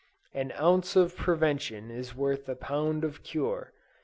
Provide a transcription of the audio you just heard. "An ounce of prevention is worth a pound of cure."